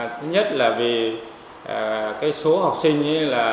thứ nhất là vì số học sinh